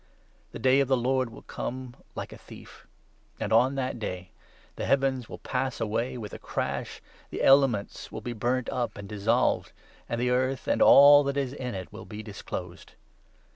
The Day of the Lord will come like a 10 thief ; and on that day the heavens will pass away with a crash, the elements will be burnt up and dissolved, and the earth and all that is in it will be disclosed.